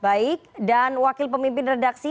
baik dan wakil pemimpin redaksi